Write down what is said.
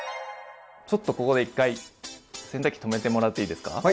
ちょっとここで１回洗濯機止めてもらっていいですか？